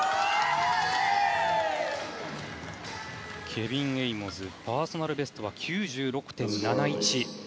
ケビン・エイモズパーソナルベストは９６．７１。